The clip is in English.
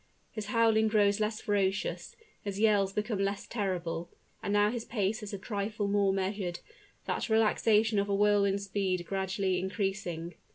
His howling grows less ferocious his yells become less terrible; and now his pace is a trifle more measured, that relaxation of a whirlwind speed gradually increasing.